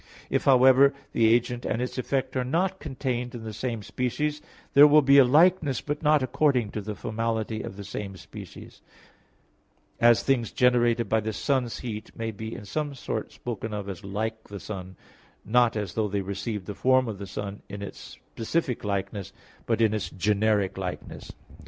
If, however, the agent and its effect are not contained in the same species, there will be a likeness, but not according to the formality of the same species; as things generated by the sun's heat may be in some sort spoken of as like the sun, not as though they received the form of the sun in its specific likeness, but in its generic likeness.